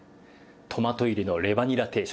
トマト入りのレバにら定食。